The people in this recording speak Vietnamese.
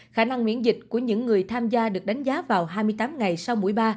khả năng miễn dịch của những người tham gia được đánh giá vào hai mươi tám ngày sau buổi ba